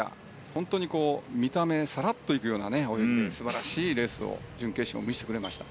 本当に、見た目さらっと行くような泳ぎで素晴らしいレースを準決勝見せてくれました。